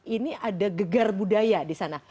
ini ada gegar budaya di sana